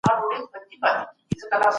بیا پرشتي انسان ته په سجده پریوتي.